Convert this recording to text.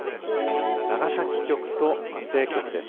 長崎局と松江局です。